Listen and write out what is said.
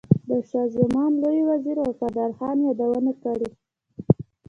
د شاه زمان لوی وزیر وفادار خان یادونه کړې.